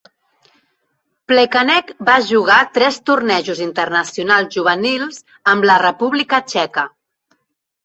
Plekanec va jugar tres tornejos internacionals juvenils amb la República Txeca.